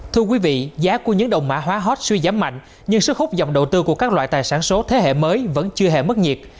thưa quý vị giá của những đồng mã hóa hot suy giảm mạnh nhưng sức hút dòng đầu tư của các loại tài sản số thế hệ mới vẫn chưa hề mức nhiệt